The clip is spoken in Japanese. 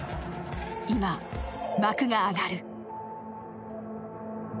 今、幕が上がる。